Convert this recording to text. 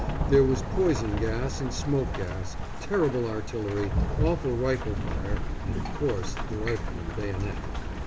There was poison gas and smoke gas, terrible artillery, awful rifle fire, and of course the rifle and bayonet.